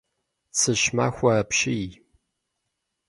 Цыщ махуэ апщий.